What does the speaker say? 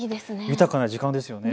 豊かな時間ですよね。